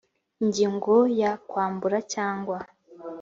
ingingo ya kwambura cyangwa